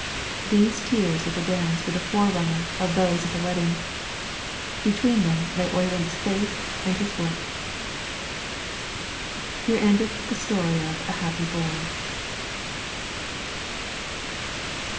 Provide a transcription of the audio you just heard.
These tears at the dance were the forerunners of those at the wedding. Between them lay Oyvind's faith and his work. Here endeth the story of A HAPPY BOY.